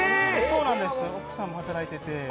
奥さんも働いてて。